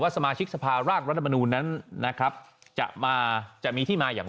ว่าสมาชิกสภาราครัฐธรรมณูนนะครับจะมาจะมีที่มาอย่าง